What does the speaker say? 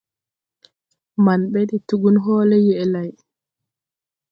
Man ɓɛ de tugun hɔɔlɛ yɛʼ lay.